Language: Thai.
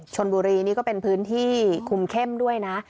ชนบุรีนี่ก็เป็นพื้นที่คุมเข้มด้วยนะ